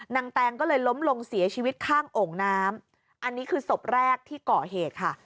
แตงก็เลยล้มลงเสียชีวิตข้างโอ่งน้ำอันนี้คือศพแรกที่ก่อเหตุค่ะ